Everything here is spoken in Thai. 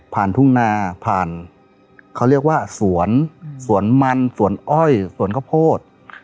ทุ่งนาผ่านเขาเรียกว่าสวนสวนมันสวนอ้อยสวนข้าวโพด